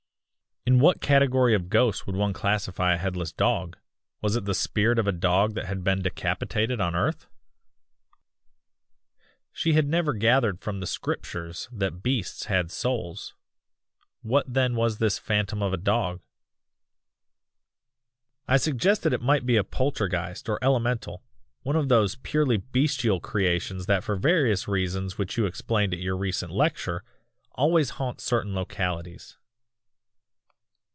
"In what category of ghosts would one classify a headless dog; Was it the spirit of a dog that had been decapitated on earth? "She had never gathered from the Scriptures that beasts had souls what then was this phantom of a dog? "I suggested it might be a Poltergeist or Elemental, one of those purely bestial creations that for various reasons which you explained at your recent lecture always haunt certain localities?"